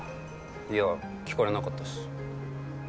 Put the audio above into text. いや聞かれなかったしま